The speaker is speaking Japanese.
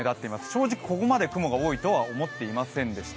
正直ここまで雲が多いとは思っていませんでした。